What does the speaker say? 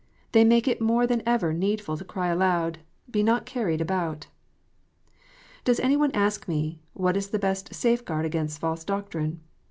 They make it more than ever needful to cry aloud, " Be not carried about." Does any one ask me, What is the best safe guard against false doctrine